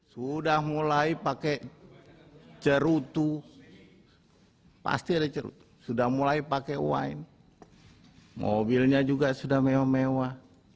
sudah mulai pakai cerutu sudah mulai pakai wine mobilnya juga sudah mewah mewah